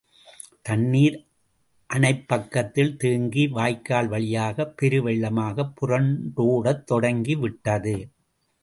தண்ணீர் அணைப்பக்கத்தில் தேங்கி வாய்க்கால் வழியாகப் பெருவெள்ளமாகப் புரண்டோடத் தொடங்கி விட்டது.